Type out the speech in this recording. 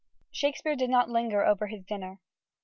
_] Shakespeare did not linger over his dinner.